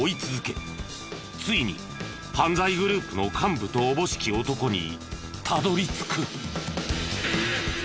ついに犯罪グループの幹部とおぼしき男にたどり着く。